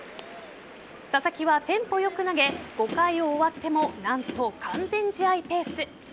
佐々木はテンポ良く投げ５回を終わっても何と、完全試合ペース。